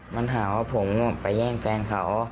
มันหาว่าผมไปแย่งแฟนเขา